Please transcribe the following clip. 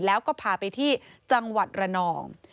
แล้วก็พาไปที่จังหวัดระนอง